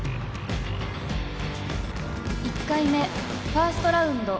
「１回目ファーストラウンド」